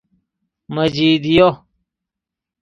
مجیدیه